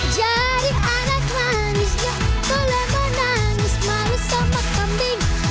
jadi anak mandis kebole menangis malu sama kambing